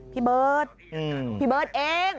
พี่เบิร์ตพี่เบิร์ตเอง